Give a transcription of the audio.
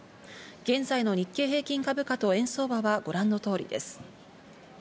現在の日経平均株価と円相場はご覧の通りです。